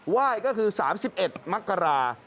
ไหว้ก็คือ๓๑มักกรา